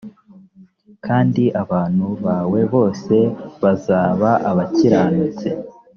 kandi abantu bawe bose bazaba abakiranutsi